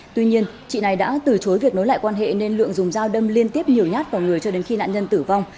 tuy nhiên chị này đã từ chối việc nối lại quan hệ nên lượng dùng dao đâm liên tiếp nhiều nhát vào người cho đến khi nạn nhân tử vong